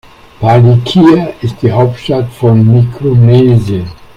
Palikir ist die Hauptstadt von Mikronesien.